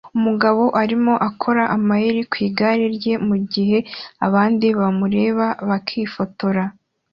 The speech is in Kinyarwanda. Umugabo arimo akora amayeri ku igare rye mugihe abandi bamureba bakifotora